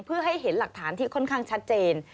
เพื่อให้เห็นหลักฐานที่ค่อนข้างชัดเจน